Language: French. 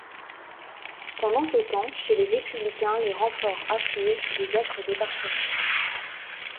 Pendant ce temps chez les républicains les renforts affluaient des autres départements.